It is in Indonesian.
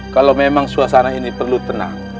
kalau memang suasana ini perlu tenang